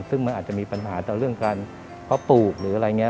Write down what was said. ซึ่งมันอาจจะมีปัญหาต่อเรื่องการเพาะปลูกหรืออะไรอย่างนี้